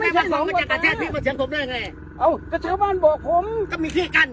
มันจะกระแทดพี่ปลาเชียงผมได้ไงอ้าวก็ชาวบ้านบอกผมก็มีที่กั้น